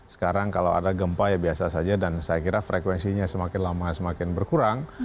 sekarang kalau ada gempa ya biasa saja dan saya kira frekuensinya semakin lama semakin berkurang